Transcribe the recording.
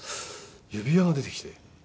指輪が出てきて。